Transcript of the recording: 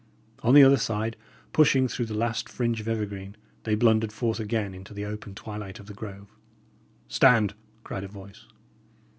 On the other side, pushing through the last fringe of evergreen, they blundered forth again into the open twilight of the grove. "Stand!" cried a voice.